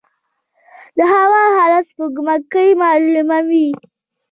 د هوا حالات سپوږمکۍ معلوموي